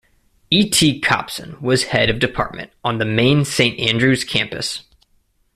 E. T. Copson was Head of Department, on the main Saint Andrews campus.